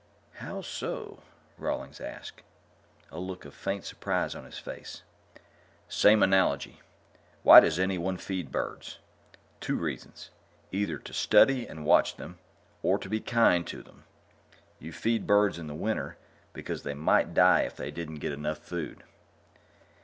"How so?" Rawlings asked, a look of faint surprise on his face. "Same analogy. Why does anyone feed birds? Two reasons either to study and watch them, or to be kind to them. You feed birds in the winter because they might die if they didn't get enough food."